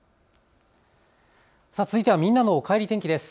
続いてはみんなのおかえり天気です。